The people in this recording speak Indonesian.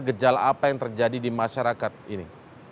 gejala apa yang terjadi di masyarakat ini